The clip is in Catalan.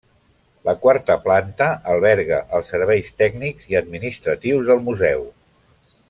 La quarta planta alberga els serveis tècnics i administratius del museu.